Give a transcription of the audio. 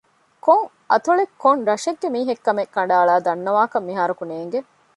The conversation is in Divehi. ކޮން އަތޮޅެއްގެ ކޮން ރަށެއްގެ މީހެއް ކަމެއް ކަނޑައަޅައި ދަންނަވާކަށް މިހާރަކު ނޭނގެ